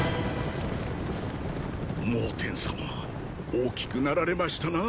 蒙恬様大きくなられましたなァ。